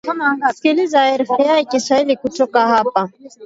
sikiliza rfi kiswahili kutoka hapa